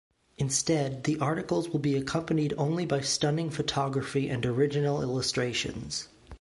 Instead, the articles will be accompanied only by stunning photography and original illustrations.